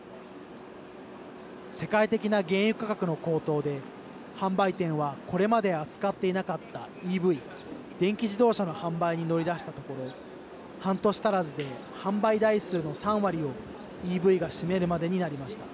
世界的な原油価格の高騰で販売店はこれまで扱っていなかったＥＶ＝電気自動車の販売に乗り出したところ半年足らずで販売台数の３割をＥＶが占めるまでになりました。